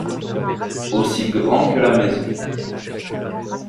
Aussi grand que la maison.